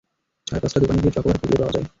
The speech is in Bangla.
চার-পাঁচটা দোকানে গিয়ে চকোবার খুঁজলেই পাওয়া যায়।